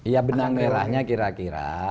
ya benang merahnya kira kira